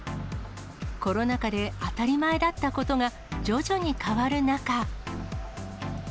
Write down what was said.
コロナ禍で当たり前だったことが、徐々に変わる中。